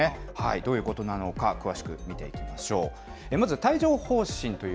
どういうことなのか詳しく見ていきましょう。